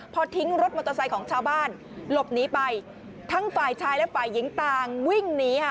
พอทิ้งรถมอเตอร์ไซค์ของชาวบ้านหลบหนีไปทั้งฝ่ายชายและฝ่ายหญิงต่างวิ่งหนีค่ะ